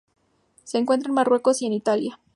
Se encuentra en Marruecos y en Italia.